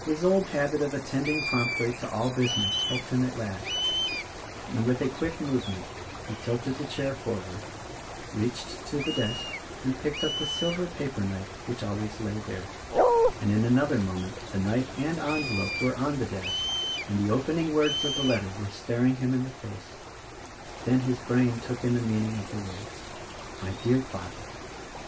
His old habit of attending promptly to all business helped him at last, and, with a quick movement, 'he tilted the chair forward — reached to the desk and picked up the silver paperknife which always lay there, — and in another moment the knife and envelope were on the desk and the opening words of the letter were staring him in the face. Then his brain took in the mean ing of the words "My Dear Father!"